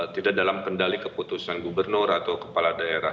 tidak dalam kendali keputusan gubernur atau kepala daerah